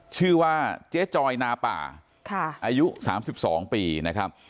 ชื่อว่าเจ๊จอยนาป่าค่ะอายุสามสิบสองปีนะครับ